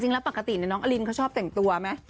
จริงปกติเนี่ยน้องอลินเขาชอบแต่งตัวแม่